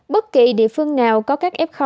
bất kỳ địa phương nào có các f